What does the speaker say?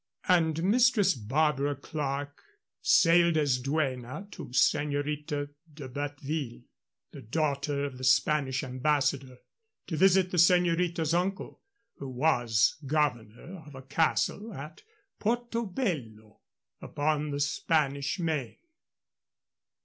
And Mistress Barbara Clerke sailed as duenna to Señorita de Batteville, the daughter of the Spanish Ambassador, to visit the señorita's uncle, who was governor of a castle at Porto Bello, upon the Spanish Main.